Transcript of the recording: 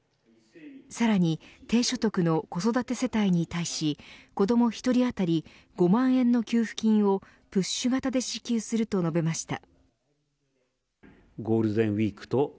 さらに低所得の子育て世帯に対し子ども１人当たり５万円の給付金をプッシュ型で支給すると述べました。